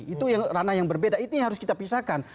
itu yang ranah yang berbeda itu yang harus kita pisahkan